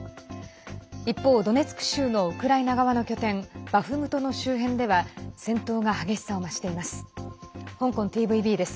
一方、ドネツク州のウクライナ側の拠点バフムトの周辺では戦闘が激しさを増しています。